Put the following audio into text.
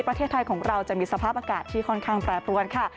ประเทศไทยของเราจะมีสภาพอากาศที่ค่อนข้างแปรปรวนค่ะ